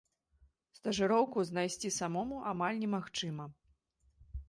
Стажыроўку знайсці самому амаль немагчыма.